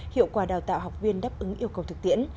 hiệu quả đào tạo học viên đáp ứng yêu cầu thực tiễn